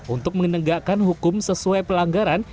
untuk menegakkan hukum sesuai pelanggaran